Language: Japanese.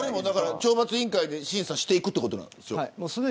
懲罰委員会で審査していくということですか。